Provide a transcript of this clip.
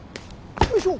よいしょ。